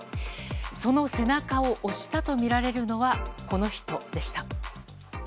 その背中を押したとみられるのはこの人でした。